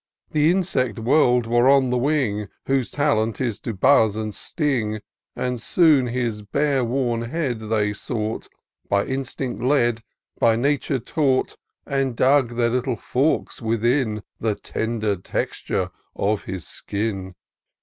18 TOUR OF DOCTOR SYNTAX The insect world were on the wing, Whose talent is to buz and sting ; And soon his bare worn head they sought, By instinct led, by nature taught ; And dug their little forks within The tender texture of his skin.